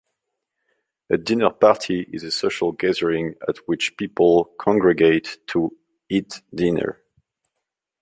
A dinner party is a social gathering at which people congregate to eat dinner.